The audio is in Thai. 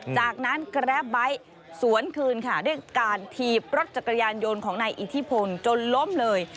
จากนั้นแกรปไบท์สวนคืนค่ะด้วยการถีบรถจักรยานยนต์ของนายอิทธิพลจนล้มเลย